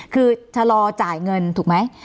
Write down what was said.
คือชะลอจ่ายเงินถูกไหม